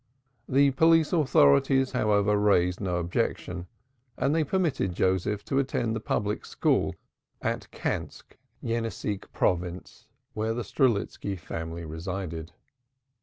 The police authorities, however, raised no objection, and they permitted Joseph to attend the public school at Kansk, Yeniseisk province, where the Strelitski family resided.